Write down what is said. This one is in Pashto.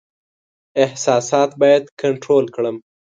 احساسات باید کنټرول کړم.